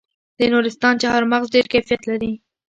د نورستان چهارمغز ډیر کیفیت لري.